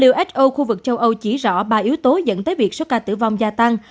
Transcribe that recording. uso khu vực châu âu chỉ rõ ba yếu tố dẫn tới việc số ca tử vong gia tăng